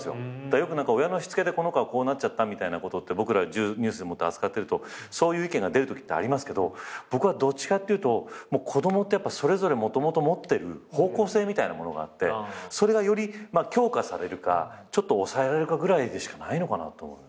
よく親のしつけでこの子はこうなっちゃったみたいなことって僕らニュースで扱ってるとそういう意見が出るときってありますけど僕はどっちかっていうと子供ってやっぱそれぞれもともと持ってる方向性みたいなものがあってそれがより強化されるかちょっと抑えられるかぐらいでしかないのかなと思う。